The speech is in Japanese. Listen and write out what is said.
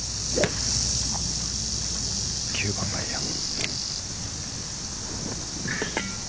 ９番アイアン。